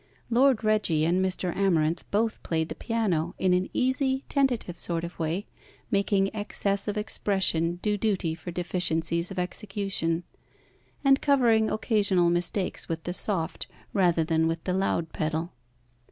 Lord Reggie and Mr. Amarinth both played the piano in an easy, tentative sort of way, making excess of expression do duty for deficiencies of execution, and covering occasional mistakes with the soft rather than with the loud pedal.